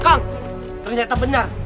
kang ternyata benar